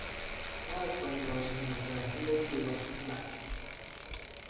No effort was made to affiliate the working classes.